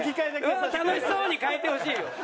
「うわあ楽しそう！」に変えてほしいよ。